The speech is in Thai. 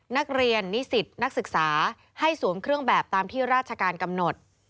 นิสิตนักศึกษาให้สวมเครื่องแบบตามที่ราชการกำหนด